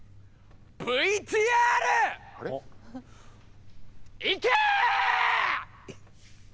ＶＴＲいけ！